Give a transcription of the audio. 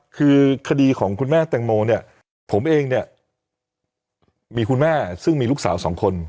คือคดีของคุณแม่แตงโมเนี่ยผมเองเนี่ยมีคุณแม่ซึ่งมีลูกสาวสองคน